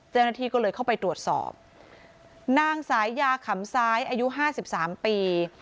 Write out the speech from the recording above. เจ้าหน้าที่ก็เลยเข้าไปตรวจสอบนั่งสายยาขำสายอายุ๕๓ปี